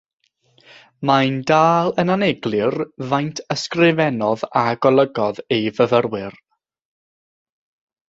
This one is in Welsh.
Mae'n dal yn aneglur faint ysgrifennodd a golygodd ei fyfyrwyr.